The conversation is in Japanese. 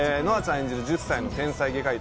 演じる１０歳の天才外科医と